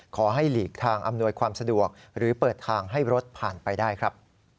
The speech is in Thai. หลีกทางอำนวยความสะดวกหรือเปิดทางให้รถผ่านไปได้ครับ